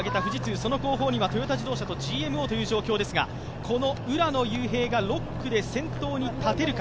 その後方にはトヨタ自動車とＧＭＯという状況ですが、この浦野雄平が６区で先頭に立てるか。